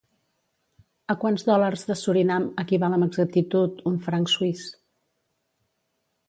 A quants dòlars de Surinam equival amb exactitud un franc suís?